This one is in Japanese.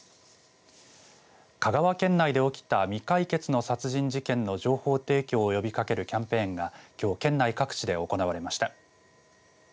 香川県内で起きた未解決の殺人事件の情報提供を呼びかけるキャンペーンがきょう県内各地で行われました。